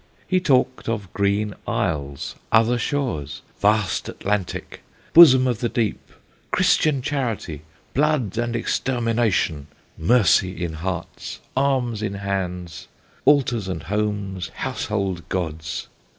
He talked of green isles other shores vast Atlantic bosom of the deep Chris tian charity blood and extermination mercy in hearts arms in hands altars and homes household gods.